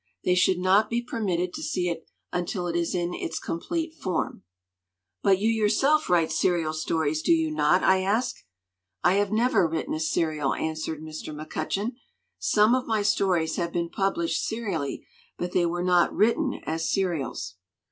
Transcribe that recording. They should not be permitted to see it until it is in its complete form." "But you yourself write serial stories, do you not?" I asked. "I have never written a serial," answered Mr. McCutcheon. "Some of my stories have been published serially, but they were not written as serials.